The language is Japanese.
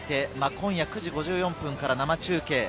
今夜９時５４分から生中継。